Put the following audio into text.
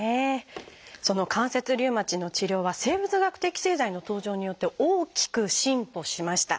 その関節リウマチの治療は生物学的製剤の登場によって大きく進歩しました。